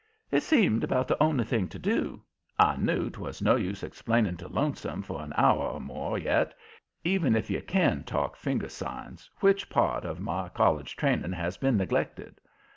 It seemed about the only thing to do. I knew 'twas no use explaining to Lonesome for an hour or more yet, even if you can talk finger signs, which part of my college training has been neglected.